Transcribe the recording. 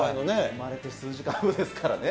生まれて数時間後ですからね。